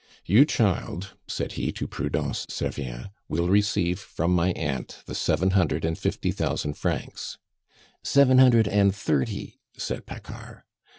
"You, child," said he to Prudence Servien, "will receive from my aunt the seven hundred and fifty thousand francs " "Seven hundred and thirty," said Paccard.